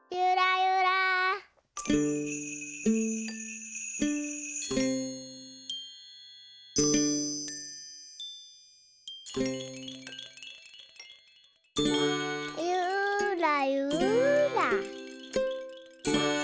ゆらゆら。